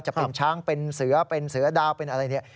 จะเป็นช้างเป็นเสือเป็นเสือดาวเป็นอะไรเนี่ย